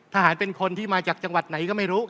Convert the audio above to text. เป็นคนที่มาจากจังหวัดไหนก็ไม่รู้